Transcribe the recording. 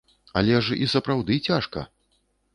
Але ж і сапраўды цяжка!